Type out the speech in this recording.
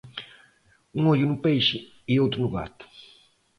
Um olho no peixe e o outro no gato.